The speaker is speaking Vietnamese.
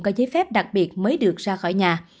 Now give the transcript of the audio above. có giấy phép đặc biệt mới được ra khỏi nhà